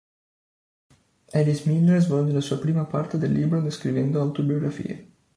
Alice Miller svolge la sua prima parte del libro descrivendo autobiografie.